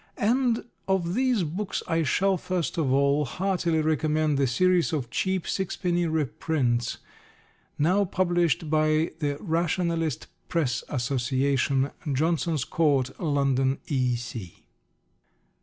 And of these books I shall, first of all, heartily recommend the series of cheap sixpenny reprints now published by the Rationalist Press Association, Johnson's Court, London, E.